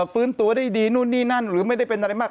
ฟื้นตัวได้ดีนู่นนี่นั่นหรือไม่ได้เป็นอะไรมาก